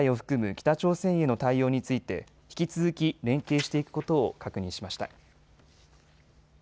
北朝鮮への対応について引き続き連携していくことを確認しました。